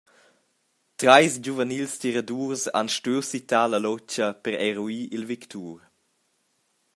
Treis giuvens tiradurs han stuiu sittar la lutga per eruir il victur.